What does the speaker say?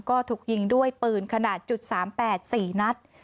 ก็ถูกยิงด้วยปืนขนาด๓๘๔นัด